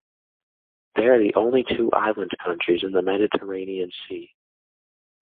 They are the only two Island countries in the Mediterranean Sea.